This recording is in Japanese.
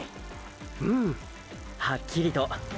うんはっきりと。